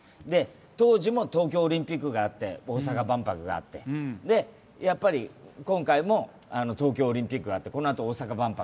当時も東京オリンピックがあって、大阪万博があって今回も東京オリンピックがあってこのあと、大阪万博。